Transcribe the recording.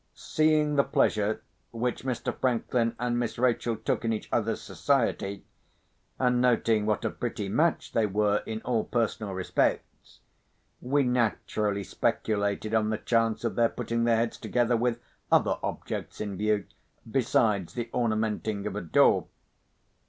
Seeing the pleasure which Mr. Franklin and Miss Rachel took in each other's society, and noting what a pretty match they were in all personal respects, we naturally speculated on the chance of their putting their heads together with other objects in view besides the ornamenting of a door.